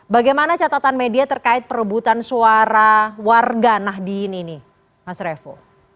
bagaimana catatan media terkait perebutan suara warga nahdien ini mas revo